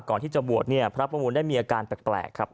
ก่อนที่จะบวชเนี่ยพระประมูลได้มีอาการแปลกครับ